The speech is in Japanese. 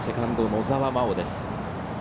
野澤真央です。